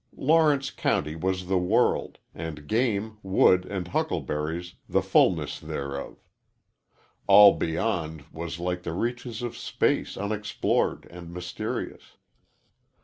Lawrence County was the world, and game, wood, and huckleberries the fulness thereof; all beyond was like the reaches of space unexplored and mysterious.